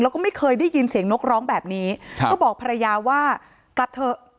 แล้วก็ไม่เคยได้ยินเสียงนกร้องแบบนี้ครับก็บอกภรรยาว่ากลับเถอะ